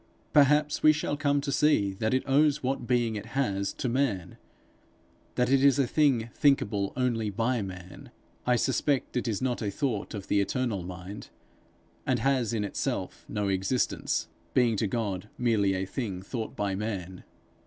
Perhaps we shall come to see that it owes what being it has, to man, that it is a thing thinkable only by man. I suspect it is not a thought of the eternal mind, and has in itself no existence, being to God merely a thing thought by man.